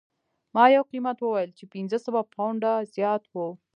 ما یو قیمت وویل چې پنځه سوه پونډه زیات و